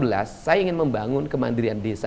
saya ingin membangun kemandirian desa